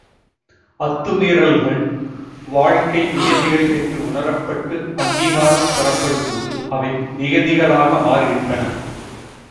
அத்துமீறல்கள் வாழ்க்கை நியதிகள் என்று உணரப்பட்டு அங்கீகாரம் தரப்படும்போது அவை நியதிகளாக மாறுகின்றன.